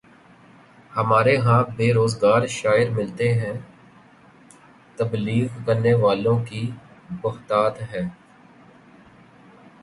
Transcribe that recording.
ہمارے ہاں بے روزگار شاعر ملتے ہیں، تبلیغ کرنے والوں کی بہتات ہے۔